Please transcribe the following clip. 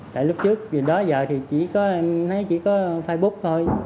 tại lúc trước vì đó giờ thì em thấy chỉ có facebook thôi